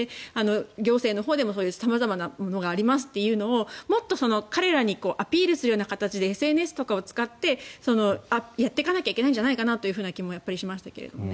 行政のほうでもそういう様々なものがありますというのをもっと彼らにアピールする形でＳＮＳとかを使ってやっていかなきゃいけないんじゃないかという気もしましたけどね。